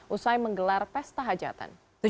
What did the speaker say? usai menggelar pesta hajatan